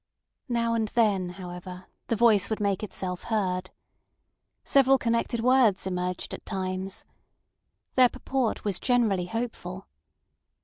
Now and then, however, the voice would make itself heard. Several connected words emerged at times. Their purport was generally hopeful.